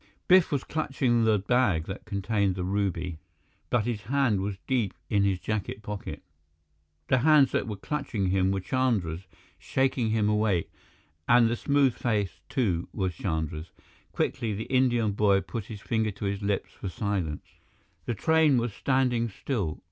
Biff was clutching the bag that contained the ruby, but his hand was deep in his jacket pocket. The hands that were clutching him were Chandra's, shaking him awake; and the smooth face, too, was Chandra's. Quickly, the Indian boy put his finger to his lips for silence. The train was standing still.